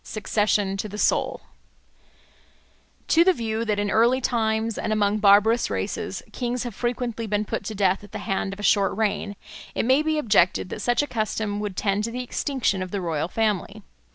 Succession to the Soul TO THE VIEW that in early times, and among barbarous races, kings have frequently been put to death at the end of a short reign, it may be objected that such a custom would tend to the extinction of the royal family.